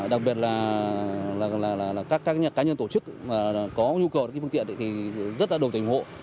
đặc biệt là các cá nhân tổ chức có nhu cầu phương tiện thì rất là đồng tình hộ